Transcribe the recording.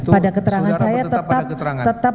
pada keterangan saya tetap